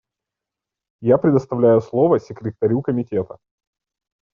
Я предоставляю слов Секретарю Комитета.